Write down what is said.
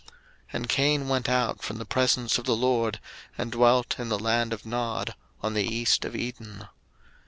01:004:016 And Cain went out from the presence of the LORD, and dwelt in the land of Nod, on the east of Eden.